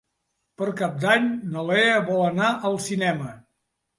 Per Cap d'Any na Lea vol anar al cinema.